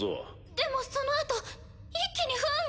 でもそのあと一気に不運が。